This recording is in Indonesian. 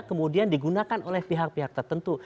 kemudian digunakan oleh pihak pihak tertentu